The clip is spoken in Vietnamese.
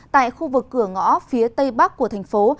tại khu vực cửa ngõ phía tây bắc của thành phố